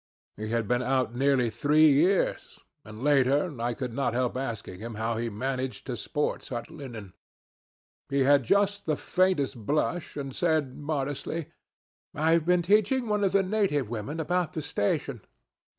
He had been out nearly three years; and, later on, I could not help asking him how he managed to sport such linen. He had just the faintest blush, and said modestly, 'I've been teaching one of the native women about the station.